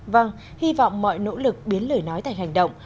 vâng hy vọng mọi nỗ lực biến lời nói thành hành động